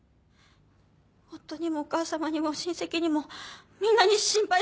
夫にもお母さまにも親戚にもみんなに心配してもらえる。